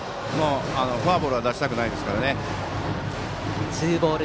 フォアボールは出したくないですからね。